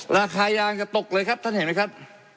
ราคายางจะตกเลยครับท่านเห็นไหมครับ